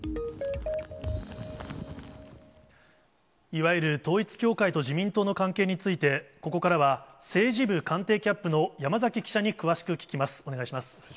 いわゆる統一教会と自民党との関係について、ここからは政治部官邸キャップの山崎記者に詳しく聞きます。